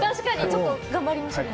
ちょっと頑張りましょうね。